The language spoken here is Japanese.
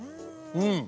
うん！